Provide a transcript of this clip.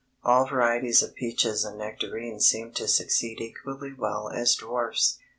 All varieties of peaches and nectarines seem to succeed equally well as dwarfs.